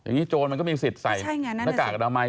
โจรมันก็มีสิทธิ์ใส่หน้ากากอนามัย